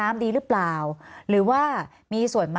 มีความรู้สึกว่าเสียใจ